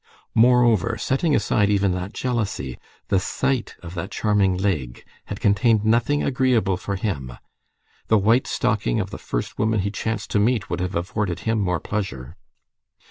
Moreover, setting aside even that jealousy, the sight of that charming leg had contained nothing agreeable for him; the white stocking of the first woman he chanced to meet would have afforded him more pleasure.